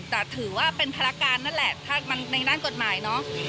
แต่ถือว่าเป็นภารการนั่นแหละถ้ามันในด้านกฎหมายเนอะ